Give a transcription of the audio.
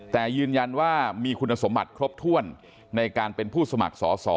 แต่ยืนยันว่ามีคุณสมบัติครบถ้วนในการเป็นผู้สมัครสอสอ